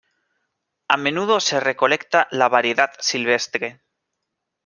A menudo se recolecta la variedad silvestre.